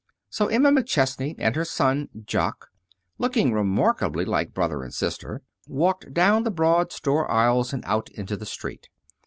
So Emma McChesney and her son Jock, looking remarkably like brother and sister, walked down the broad store aisles and out into the street.